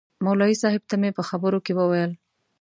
مولوي صاحب ته مې په خبرو کې ویل.